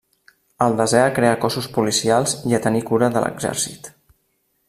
El desè a crear cossos policials i a tenir cura de l'exèrcit.